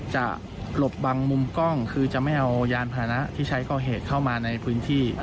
จะหลบบางมุมกล้องคือจะไม่เอายานพานะที่ใช้ก่อเหตุเข้ามาในพื้นที่